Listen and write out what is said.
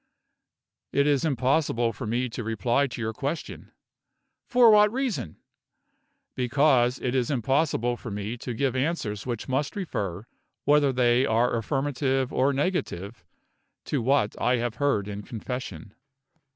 "It is impossible for me to reply to your question." "For what reason?" "Because it is impossible for me to give answers which must refer, whether they are affirmative or negative, to what I have heard in confession."